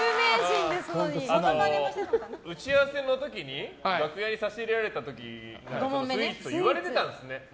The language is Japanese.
打ち合わせの時に楽屋に差し入れられた時スイーツを言われていたんですね。